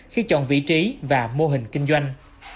khi chọn vị trí và mô hình kinh doanh